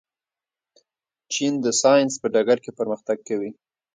چین د ساینس په ډګر کې پرمختګ کوي.